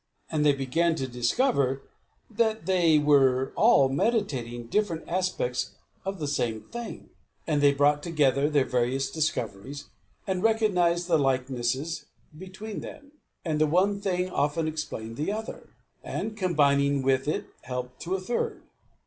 And they began to discover that they were all meditating different aspects of the same thing; and they brought together their various discoveries, and recognised the likeness between them; and the one thing often explained the other, and combining with it helped to a third.